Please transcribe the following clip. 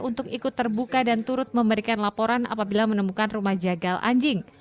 untuk ikut terbuka dan turut memberikan laporan apabila menemukan rumah jagal anjing